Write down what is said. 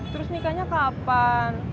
terus nikahnya kapan